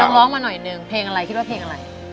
ร้องมาหน่อยหนึ่งเพลงอะไรคิดว่าเพลงอะไร